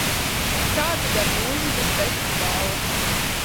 Kā tad ar mūzikas festivālu?